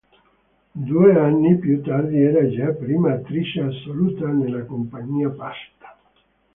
Due anni più tardi era già prima attrice assoluta nella compagnia Pasta.